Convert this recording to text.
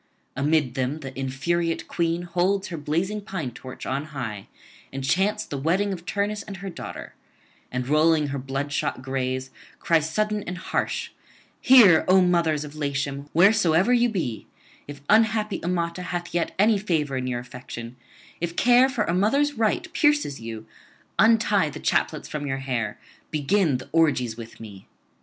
Amid them the infuriate queen holds her blazing pine torch on high, and chants the wedding of Turnus and her daughter; and rolling her bloodshot gaze, cries sudden and harsh: 'Hear, O mothers of Latium, wheresoever you be; if unhappy Amata hath yet any favour in your affection, if care for a mother's right pierces you, untie the chaplets from your hair, begin the orgies with me.'